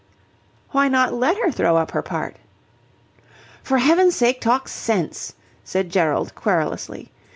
"Why not let her throw up her part?" "For heaven's sake talk sense," said Gerald querulously.